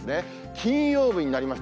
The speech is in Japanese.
金曜日になりました。